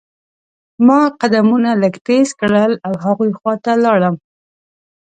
ما قدمونه لږ تیز کړل او هغوی خوا ته لاړم.